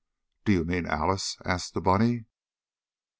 "Do you mean Alice?" asked the bunny.